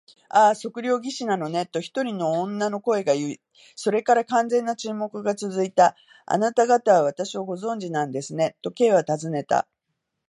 「ああ、測量技師なのね」と、一人の女の声がいい、それから完全な沈黙がつづいた。「あなたがたは私をご存じなんですね？」と、Ｋ はたずねた。